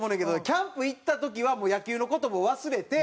キャンプ行った時はもう野球の事も忘れて。